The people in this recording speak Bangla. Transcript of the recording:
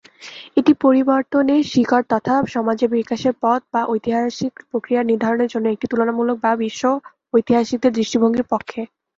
এটি পরিবর্তনের শিকড় তথা সমাজের বিকাশের পথ বা ঐতিহাসিক প্রক্রিয়া নির্ধারণের জন্য একটি তুলনামূলক বা বিশ্ব-ঐতিহাসিকদের দৃষ্টিভঙ্গির পক্ষে।